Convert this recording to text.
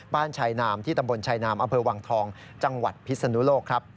บ้านชัยนามที่ตำบลชัยนามอเภอวังทองจังหวัดพิศนุโลก